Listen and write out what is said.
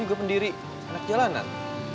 dan juga lo pendiri anak jalanan